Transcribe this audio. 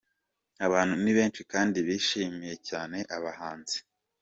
Abantu ni benshi kandi bishimiye cyane abahanzi.